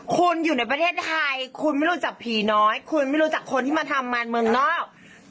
คุณอยู่ในประเทศไทยคุณไม่รู้จักผีน้อยคุณไม่รู้จักคนที่มาทำงานเมืองนอก